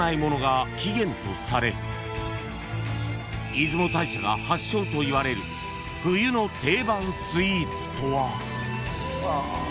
［出雲大社が発祥といわれる冬の定番スイーツとは？］